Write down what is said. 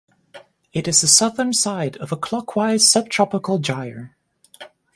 It is the southern side of a clockwise subtropical gyre.